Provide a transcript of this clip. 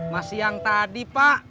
masih yang tadi pak